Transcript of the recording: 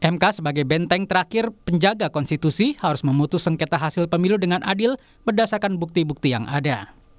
mk sebagai benteng terakhir penjaga konstitusi harus memutus sengketa hasil pemilu dengan adil berdasarkan bukti bukti yang ada